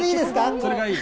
それがいい。